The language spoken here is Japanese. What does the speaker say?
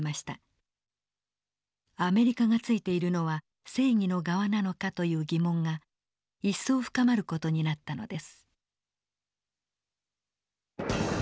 アメリカがついているのは正義の側なのかという疑問が一層深まる事になったのです。